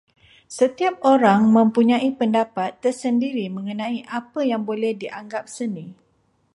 Setiap orang mempunyai pendapat tersendiri mengenai apa yang boleh dianggap seni.